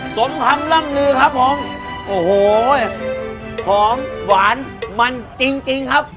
สมคำล่ำลือครับผมโอ้โหหอมหวานมันจริงจริงครับ